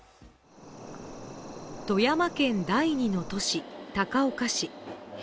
富山県第２の都市、高岡市。